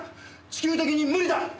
地球的に無理だ！